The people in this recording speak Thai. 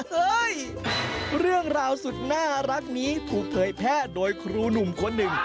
เรื่องราวสุดน่ารักนี้ถูกเผยแพร่โดยครูหนุ่มคนหนึ่ง